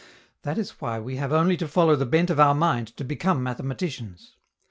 That is why we have only to follow the bent of our mind to become mathematicians.